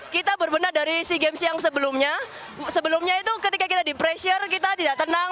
kita berbenah dari sea games yang sebelumnya sebelumnya itu ketika kita di pressure kita tidak tenang